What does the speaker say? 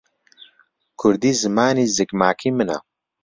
کوردی زمانی زگماکیی منە.